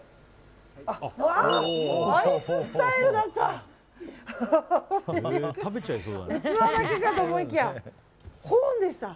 アイススタイルだった。